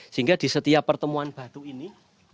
sehingga di setiap pertemuan batu ini